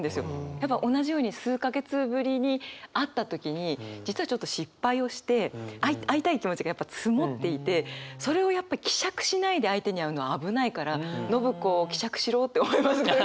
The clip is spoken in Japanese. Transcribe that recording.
やっぱ同じように数か月ぶりに会った時に実はちょっと失敗をして会いたい気持ちがやっぱ積もっていてそれをやっぱ希釈しないで相手に会うのは危ないから伸子希釈しろって思います